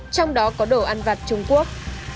trong đó có đồ ăn vặt trung quốc